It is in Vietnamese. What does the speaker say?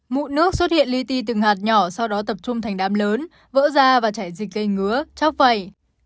mụn nước xuất hiện ly ti từng hạt nhỏ sau đó tập trung thành đám lớn vỡ da và chảy dịch gây ngứa chóc vẩy